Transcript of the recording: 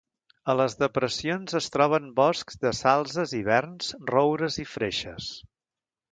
A les depressions es troben boscs de salzes i verns, roures i freixes.